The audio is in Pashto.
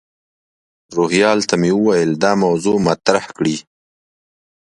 روهیال ته مې وویل دا موضوع مطرح کړي.